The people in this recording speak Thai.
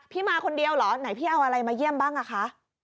มาคนเดียวเหรอไหนพี่เอาอะไรมาเยี่ยมบ้างอ่ะคะ